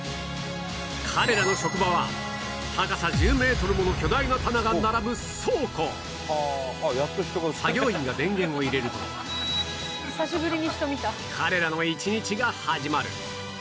彼らの職場は高さ１０メートルもの巨大な棚が並ぶ倉庫作業員が電源を入れると彼らの一日が始まる